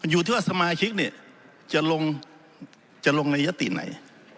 อยู่ที่ว่าสมาชิกจะลงในยติไหน